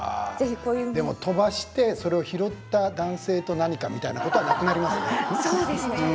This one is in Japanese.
でも飛ばしてそれを拾った男性と何かというのはなくなりますね。